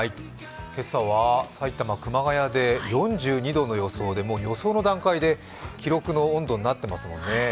今朝は埼玉・熊谷で４２度の予想で予想の段階で記録の温度になってますもんね。